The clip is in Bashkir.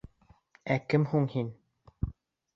Ә кем һуң һин?